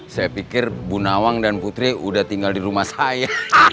saya pikir bu nawang dan putri sudah tinggal di rumah saya